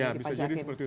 ya bisa jadi seperti itu